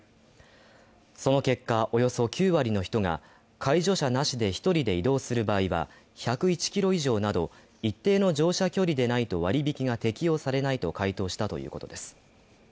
その結果、およそ９割の人が介助者なしで１人で移動する場合は１０１ｋｍ以上など、一定の乗車距離でないと割引きが適用されないと回答したということです。